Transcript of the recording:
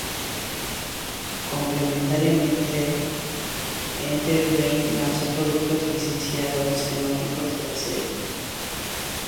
Complementariamente, Enterbrain lanzó productos licenciados temáticos de la serie.